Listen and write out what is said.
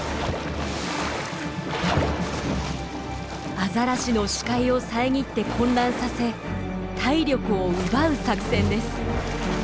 アザラシの視界を遮って混乱させ体力を奪う作戦です。